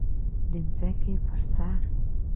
د ځمکې پر سر